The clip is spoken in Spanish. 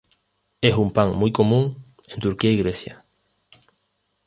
Es un pan muy común en Turquía y Grecia.